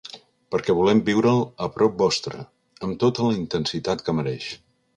Perquè volem viure’l a prop vostre, amb tota la intensitat que mereix.